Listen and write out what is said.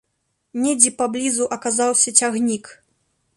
Недзе паблізу аказаўся цягнік.